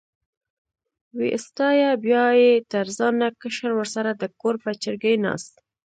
وې ستایه، بیا یې تر ځانه کشر ورسره د کور په چرګۍ ناست.